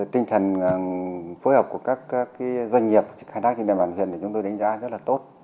tinh thần phối hợp của các doanh nghiệp khai thác trên địa bàn huyện thì chúng tôi đánh giá rất là tốt